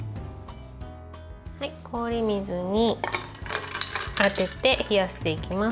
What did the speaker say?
氷水に当てて、冷やしていきます。